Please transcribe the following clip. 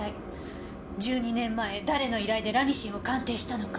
１２年前誰の依頼でラニシンを鑑定したのか。